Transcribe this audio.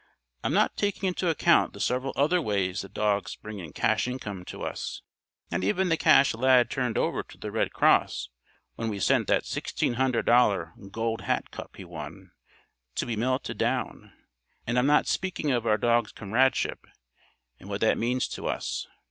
I'm not taking into account the several other ways the dogs bring in cash income to us. Not even the cash Lad turned over to the Red Cross when we sent that $1600 'Gold Hat' cup he won, to be melted down. And I'm not speaking of our dogs' comradeship, and what that means to us.